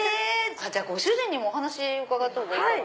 じゃあご主人にもお話伺ったほうがいいかな。